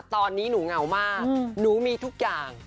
ตอนนี้หนูเหงามากหนูมีทุกอย่าง